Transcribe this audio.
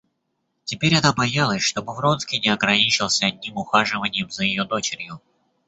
Теперь она боялась, чтобы Вронский не ограничился одним ухаживаньем за ее дочерью.